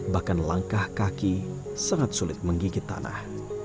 bahkan langkah kaki sangat sulit menggigit tanah